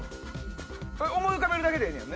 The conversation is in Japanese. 思い浮かべるだけでええねんね？